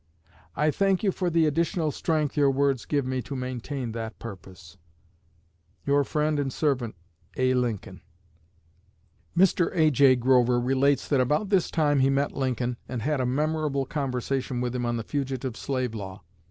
I thank you for the additional strength your words give me to maintain that purpose. Your friend and servant, A. LINCOLN. Mr. A.J. Grover relates that about this time he met Lincoln, and had a memorable conversation with him on the Fugitive Slave Law.